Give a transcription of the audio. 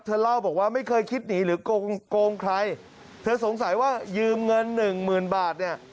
เล่าบอกว่าไม่เคยคิดหนีหรือโกงใครเธอสงสัยว่ายืมเงินหนึ่งหมื่นบาทเนี่ย